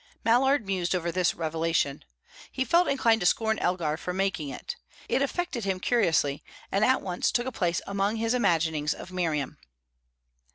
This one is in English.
Mallard mused over this revelation. He felt inclined to scorn Elgar for making it. It affected him curiously, and at once took a place among his imaginings of Miriam.